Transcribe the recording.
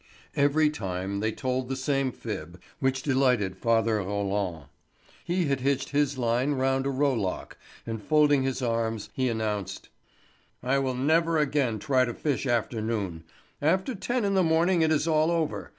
Every time they told the same fib, which delighted father Roland. He had hitched his line round a row lock, and folding his arms he announced: "I will never again try to fish after noon. After ten in the morning it is all over.